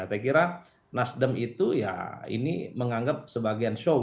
saya kira nasdem itu menganggap sebagian show